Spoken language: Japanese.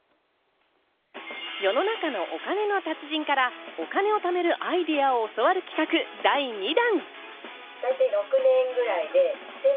世の中のお金の達人からお金を貯めるアイデアを教わる企画第２弾。